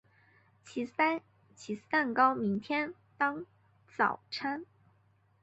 起司蛋糕明天当早餐